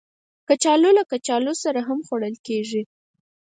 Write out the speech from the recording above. کچالو له کچالو سره هم خوړل کېږي